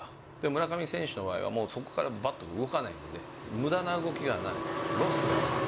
村上選手の場合は、もうそこからバットが動かないので、むだな動きがない、ロスがない。